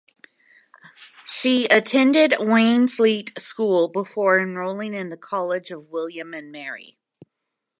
She attended Waynflete School before enrolling in the College of William and Mary.